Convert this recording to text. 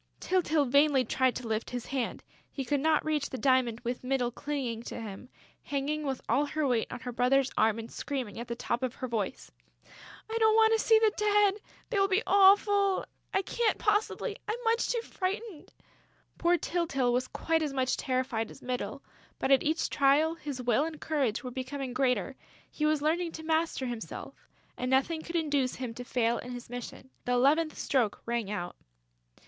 Tyltyl vainly tried to lift his hand: he could not reach the diamond with Mytyl clinging to him, hanging with all her weight on her brother's arm and screaming at the top of her voice: "I don't want to see the Dead!... They will be awful!... I can't possibly!... I am much too frightened!..." Poor Tyltyl was quite as much terrified as Mytyl, but at each trial, his will and courage were becoming greater; he was learning to master himself; and nothing could induce him to fail in his mission. The eleventh stroke rang out.